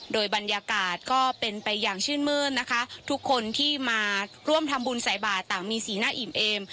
โดยบรรยากาศก็เป็นไปอย่างชื่นมื้นนะคะทุกคนที่มาร่วมทำบุญใส่บาทต่างมีสีหน้าอิ่มเอม